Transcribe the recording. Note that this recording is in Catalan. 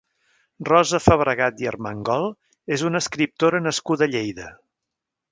Rosa Fabregat i Armengol és una escriptora nascuda a Lleida.